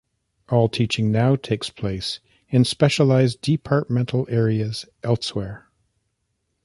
All teaching now takes place in specialised departmental areas elsewhere.